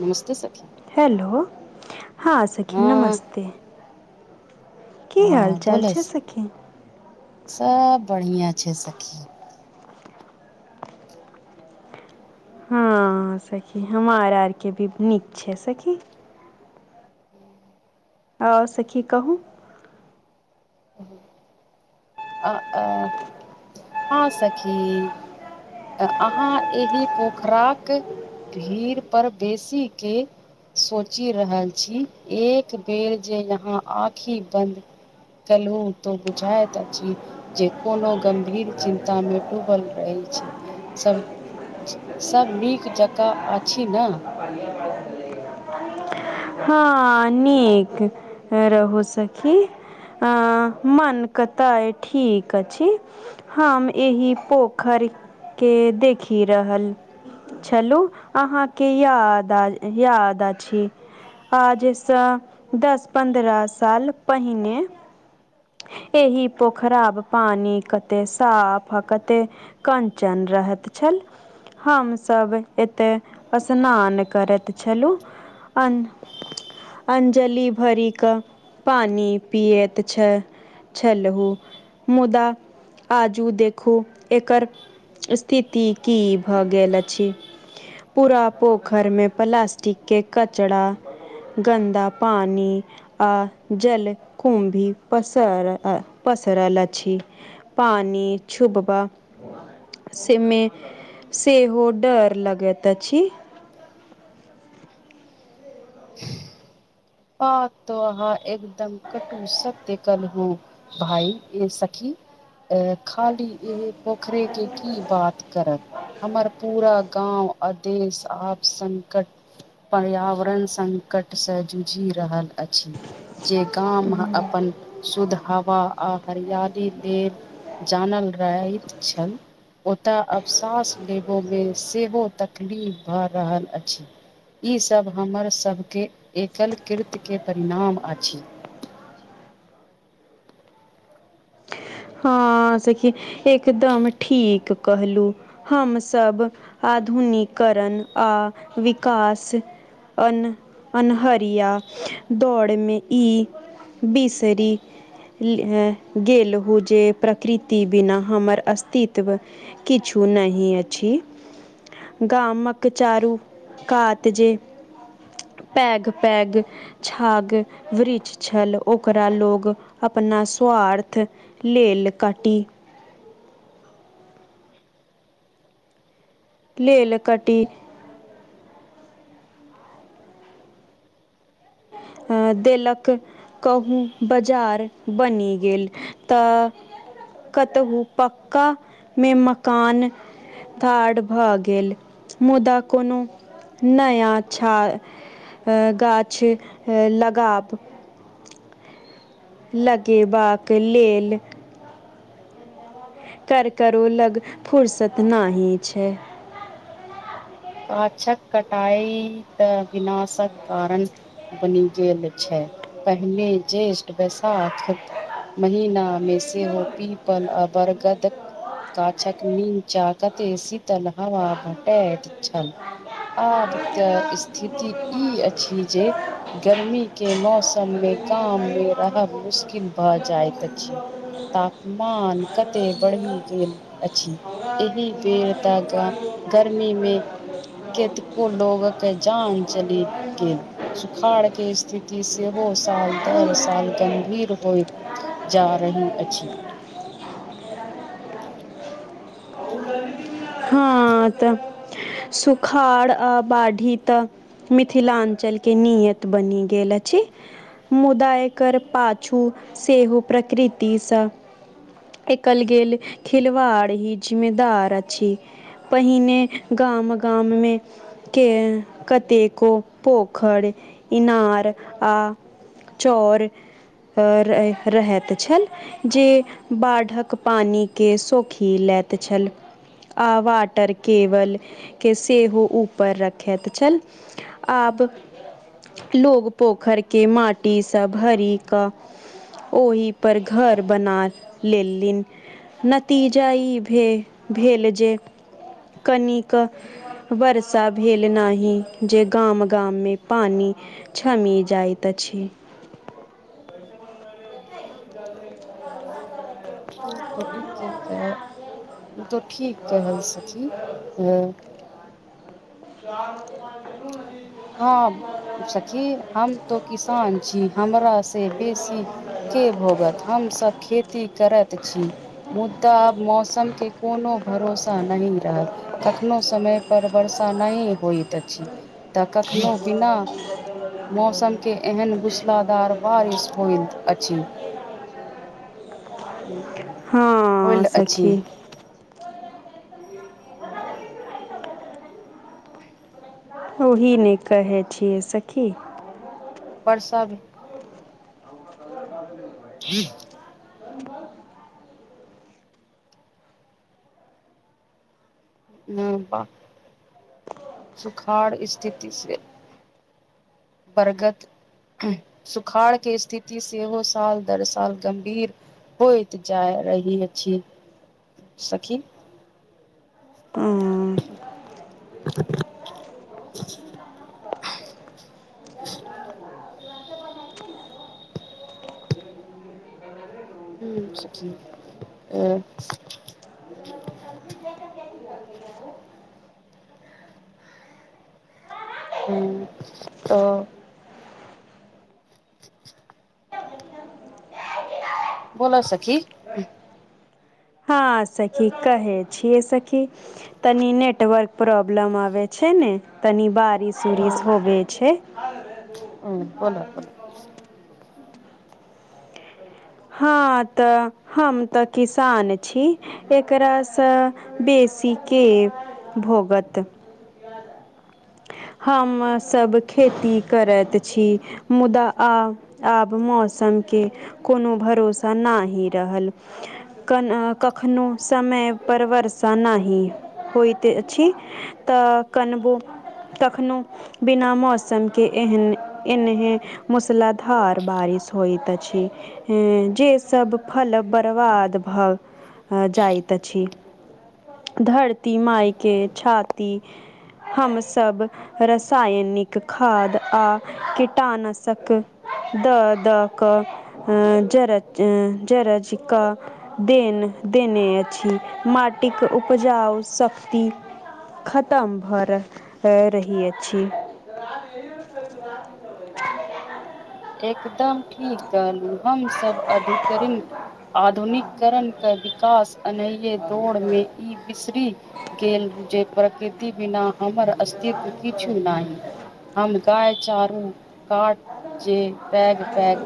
नमस्ते सखी। हेलो, हँ, सखी हँ नमस्ते। की हाल हँ चाल बोलस छै सखी। सब बढ़िआँ छै सखी। हँ सखी, हम आ आरके भी नीक छै सखी। आओर सखी कहू। [unintelligible] आ, आ, हँ सखी! अहाँ एहि पोखराक भीड़ पर बेसी के सोचि रहल छी, एक बेर जे यहाँ आँखि बन्द कलू तो बुझाइत जे कोनो गम्भीर चिन्तामे डूबल रहैत छी, सभ सब नीक जकाँ अछि ने। हँ नीक रहू, सखी! अ मन कतइ ठीक अछि। हम एहि पोखरि के देखि रहल। चलू अहाँके याद याद अछि। आ सँ दस पन्द्रह साल पहिने एहिह पोखराब पानी कते साफ, कते कञ्चन रहैत छल। हमसभ एते स्नान करैत छलु। अन अंजलि भर क पानि पियत छै छलहु, मुदा आजू देखू एकर स्थिति की भऽ गेल अछि। पूरा पोखरि मे प्लास्टिक के कचड़ा। गन्दा पानि! आ जल कुम् भी, पसर पसरल अछि। पानि छुभबा सेमे, सेहो डर लगैत अछी। बात तो अहाँ एकदम कटूससत्य कहली। ओ भाइ ए सखी! अ खाली ई पोखरे के की बात करब। हमर पूरा गाँव आदेश आप सङ्कट। पर्यावरण संकट सँ जू जी रहल अछि, जे गाम अपन शुद्ध हवा आ हरियाली लेल जानल रहैत छल। ओतय अब सास लेबोमे, सेहो तकलीफ भऽ रहल अछि। ई सब हमर सबके केल कृतके, परिणाम अछि। हँ सखी, एकदम ठीक कहलू। हमसभ आधुनिकिकरण, आ विकास अन अन्हरिया दौड़मे ई बिसरी गेललहु। जे प्रकृति बिना, हमर अस्तित्व किछु नहि अछि। गामक चारू कात जे पैघ-पैघ छाग वृक्ष छल ओकरा लोग, अपना स्वार्थ लेल ल काटी लेल कटी अ देलक। कहूँ बाजार बनि गेल, तऽ कतहुू पका मे मकान। धार भऽ गेल, मुदा कोनो नया छ गाछ लगाब लगेबाक लेल। कर करो लग फुर्सत न ही छै। गाछक कटाई तऽ विनाशक कारण बनि गेलल छै, पहिने जेष्ठ, बैशाख महीनामे सेहो पीपल अ बरगद काछक नीम्चा कथे शीतल हवा भटैत [unintelligible] आब तऽ स्थिति ई अछि जे गर्मी के मौसम सम मे गाम मे रहब मुश्किल भऽ जाइत अछि ता मान कते बढ़ी गेल अछि, एहि बेर ता गा गर्मी मे कतेको लोग के जान चलि गेल। सुखाड़ के स्थिति से हो साल दर साल गम्भीर होइत जा रही अछि। हाँ त सुखाड़ आ बाढ़ी त मिथिलाञ्चल के नियत बनी गेल अछि। मुदा इकर पाछू सेहो प्रकृतिसँ के कल गेल खिलवाड़ ही जिम्मेदार अछि। पहिने गाम गाम मे के कतेको पोखरि, इनार आ चौर र रहत उछल। जे बाढ़क पानी के सौखी लैत छल, आवा टर केवल सेहो ऊपर रखेएत छल, आब लोग पोखर के माटी सब भरी क ओहि पर घर बना लेलिन। नतीजा ई भेल भेल जे कनिक वर्षा भेल नाही जे गाम गाम मे पानि छमी जाइत अछि। ओ तऽ ठीक छै तऽ ओ तऽ ठीक त सखी। [unintelligible] हँ सखी, हम तो किसान छी हमरा से बेसी के भोगत हमसभ खेती करत छी। मुद्दा आब मौसम के कोनो भरोसा नहीं रहल। कखनो समय पर वर्षा नहि होइत अछि। तऽ कखनो बिना मौसम के एहन मूसलाधार बारिश होइत अछि [unintelligible] हँ, होयल अछि सखी। ओही नै कहै छियै सखी। बरसल [unintelligible] [unintelligible] [unintelligible] मुदा सुखाड़ स्थिति से बरगत सुखाड़ के स्थिति सेहो साल दर साल गंभीर होइत जा रही अछि सखी। उम्म हं सखी अ [unintelligible] ह्म्म, तऽ बोलअ सखी। हाँ सखी, कहै छियै सखी। तनी नेटवर्क प्रॉब्लम आबै छै ने, तनि हँ बारिश-उरिस होबे छै। हं, बोलअ-बोलअ। हँ तऽ हम तऽ किसान छी। एकरा स बेसी के भोगत हम सब खेती करत छी। मुदा आब, आब मौसम के कुनो भरोसा नाहि रहल। कन अ कखनो समय पर वर्षा नाहि होइत अछि। तऽ कनबो तखनो बिना मौसम के एहन एनहे मूसलाधार बारिश होइत अछि। ह्म्म, जे सभ फल बरबाद भऽ जाइत अछि। धरती माई के छाती हमस सब रसायनिक खाद्य आ कीटाणशक द-द क जरज, जरज क देन देने अछी, माटिक उपजाऊ सख्ती खतम भऽ रह रही अछि। [unintelligible] एकदम ठीक कहलु हमसभ अधिकरण आधुनिककरण क विकास अनैये दौड़ में ई बिसरी गेल जे प्रकृति बिना हमर अस्तित्व किछु नाहि, हम गाय चारू काट पैग-पैग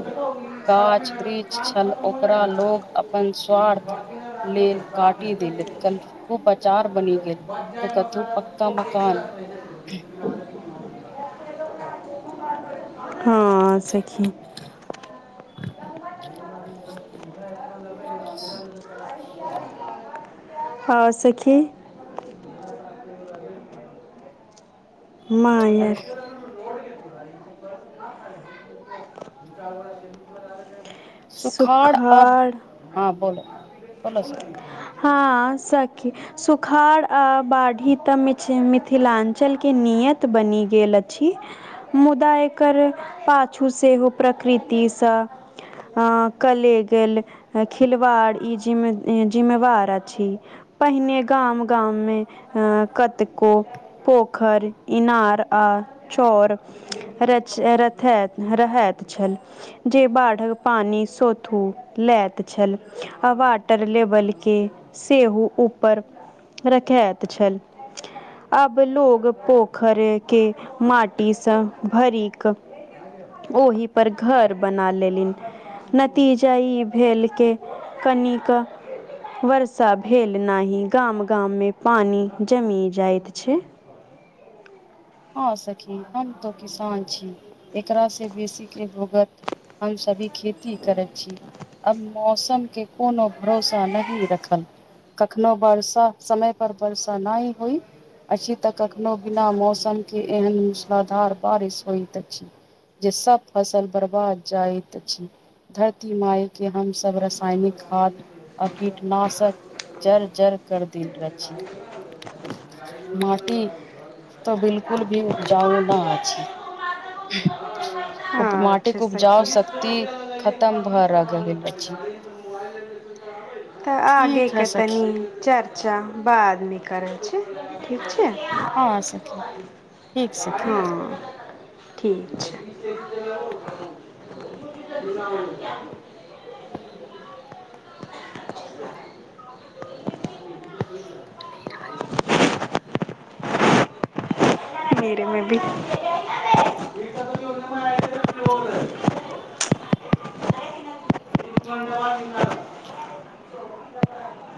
गाछ-वृक्ष छल ओकरा लोग अपन स्वार्थ लेल काटि देलक, कनिकबो बचार बनि गेल। तऽ कथु पक्का मकान हँ, सखी। [unintelligible] और सखी। माँ यै सुखाड़ हँ, बोल बोल सखी। हँ, सखी। सुखाड़ आ बाढ़ी तऽ मि मिथिलाञ्चलके नियत बनि गेल अछि। मुदा एकर पाछू सेहो प्रकृतिसँ कलेगएल खिलवाड़ ई जिम्मे जिम्मेवार अछि। पहिने गाम गाम मे अ कतको पोखरि, इनार आ चौर रच रथे रहैत छल। जे बाढ़क पानि सोथू लेैत छल आ वाटर लेबलके, सेहो ऊपर रखैत छल। अब लोग पोखर के माटीसँ भरिक ओहि पर, घर बना लेलिन। नतीजा ई भेल के, कनिक कँ वर्षा भेल नहि, गाम- गाममे पानि जमि जाइत छै। हँ सखी! हम तो किसान छी, एकरा से बेसी के भोगत। हम सभी खेती करैत छी अब मौसम के कोनो भरोसा नहि रखल। कखनो वर्षा समय पर वर्षा नहि होइ। अछि, तऽ कखनो बिना मौसम के एहन मूसलाधार बारिश होइत अछि। जे सब फसल बर्बाद जाइत अछि, धरती माय के हम सब रसायनिक खाद, आ कीटनाशक जड़ जर कर देल अछि। [inaudible] माटी तऽ बिलकुल भी उपजाउ न अछि। उ अच्छा माटिक उपजाउ सखी शक्ति खतम भ रगल अछि। तऽ आगे ठीक है क सखी तनी चर [unintelligible] चर्चा बाद करै छी। ठीक छै, हँ सखी ठीक सखी हँ। ठीक छै [unintelligible] [unintelligible] मेेरे मे भी [unintelligible] [inaudible]